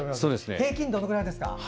平均どのくらいですか？